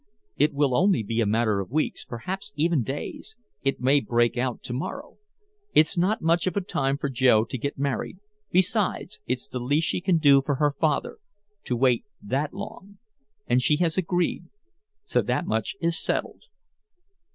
It will only be a matter of weeks perhaps even days it may break out to morrow. It's not much of a time for Joe to get married besides, it's the least she can do for her father to wait that long. And she has agreed. So that much is settled."